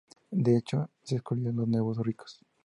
De hecho, se excluía a los nuevos ricos.